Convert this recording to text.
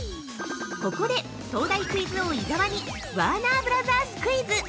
◆ここで東大クイズ王・伊沢に「ワーナーブラザース」クイズ！